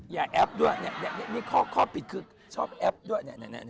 แอปด้วยนี่ข้อผิดคือชอบแอปด้วย